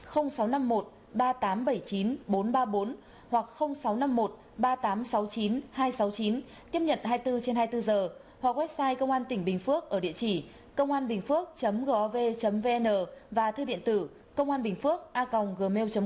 sáu trăm năm mươi một ba nghìn tám trăm bảy mươi chín bốn trăm ba mươi bốn hoặc sáu trăm năm mươi một ba nghìn tám trăm sáu mươi chín hai trăm sáu mươi chín tiếp nhận hai mươi bốn trên hai mươi bốn giờ hoặc website công an tỉnh bình phước ở địa chỉ cônganbìnhphuoc gov vn và thư điện tử cônganbìnhphuoc gmail com